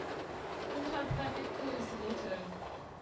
Unterpräfektur ist Rethel.